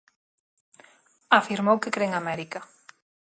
Afirmou que cre en América.